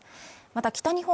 また北日本